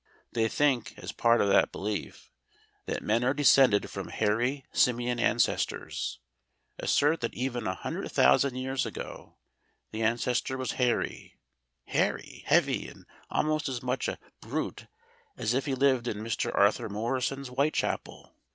They think, as part of that belief, that men are descended from hairy simian ancestors; assert that even a hundred thousand years ago the ancestor was hairy hairy, heavy, and almost as much a brute as if he lived in Mr. Arthur Morrison's Whitechapel.